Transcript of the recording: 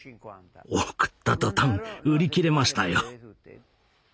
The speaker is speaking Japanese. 送った途端売り切れましたよ。